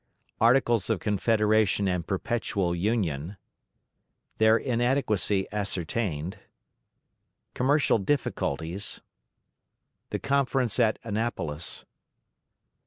"Articles of Confederation and Perpetual Union." Their Inadequacy ascertained. Commercial Difficulties. The Conference at Annapolis.